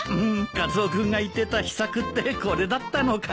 カツオ君が言ってた秘策ってこれだったのか。